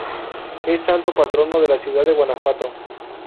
Es santo patrono de la ciudad de Guanajuato.